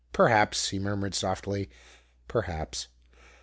"Perhaps," he murmured softly, "perhaps!"